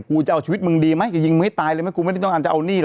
กูจะเอาชีวิตมึงดีไหมจะยิงมึงให้ตายเลยไหมกูไม่ได้ต้องการจะเอาหนี้หรอก